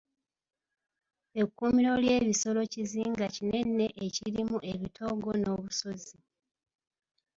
Ekkuumiro ly'ebisolo kizinga kinene ekirimu ebitoogo n'obusozi.